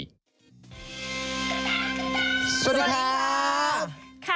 สวัสดีครับ